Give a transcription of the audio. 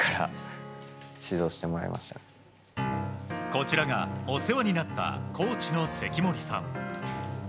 こちらがお世話になったコーチの関森さん。